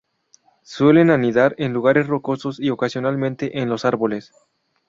Suelen anidar en lugares rocosos, y ocasionalmente en los árboles.